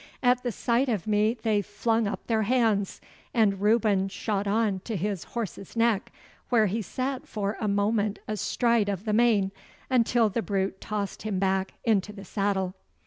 At the sight of me they flung up their hands, and Reuben shot on to his horse's neck, where he sat for a moment astride of the mane, until the brute tossed him back into the saddle.